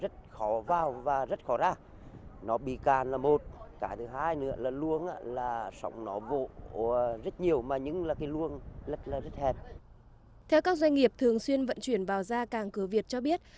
theo các doanh nghiệp thường xuyên vận chuyển vào ra càng cửa việt cho biết